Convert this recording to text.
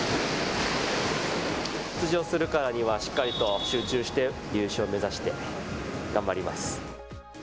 出場するからにはしっかり集中して優勝目指して頑張ります。